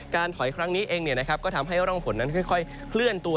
ถอยครั้งนี้เองก็ทำให้ร่องฝนนั้นค่อยเคลื่อนตัว